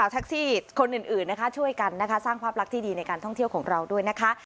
ทักซี่คนอื่นช่วยกันสร้างความรักที่ดีในการท่องเที่ยวของเราด้วยนะคะ